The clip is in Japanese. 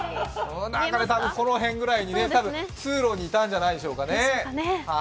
この辺ぐらいにね、たぶん、通路にいたんじゃないですかね。